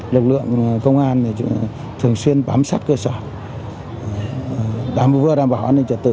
lực lượng công an thường xuyên bám sát cơ sở đảm vừa đảm bảo an ninh trật tự